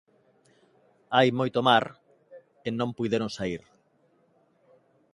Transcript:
Hai moito mar e non puideron saír.